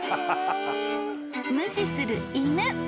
［無視する犬］